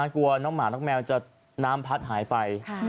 กลัวน้องหมาน้องแมวจะน้ำพัดหายไป